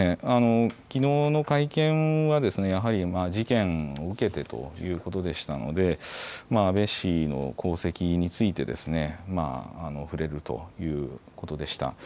きのうの会見はやはり事件を受けてということでしたので安倍氏の功績について触れるということでした。